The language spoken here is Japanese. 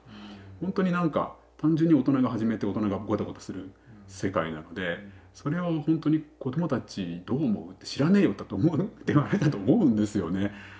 ほんとに何か単純に大人が始めて大人がごたごたする世界なのでそれをほんとに「子どもたちどう思う？」って「知らねえよ」だと思うではないかと思うんですよね。